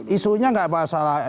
isunya gak masalah